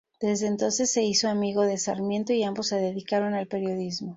Desde entonces se hizo amigo de Sarmiento, y ambos se dedicaron al periodismo.